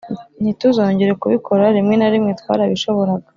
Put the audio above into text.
ntituzongere kubikora Rimwe na rimwe twarabishoboraga